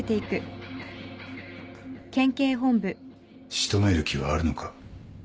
仕留める気はあるのか？